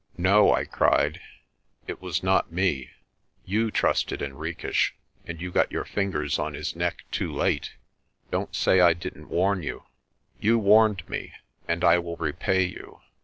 "No," I cried, "it was not me. You trusted Henriques, and you got your fingers on his neck too late. Don't say I didn't warn you." "You warned me, and I will repay you.